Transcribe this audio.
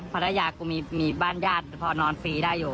ภรรยากูมีบ้านญาติพอนอนฟรีได้อยู่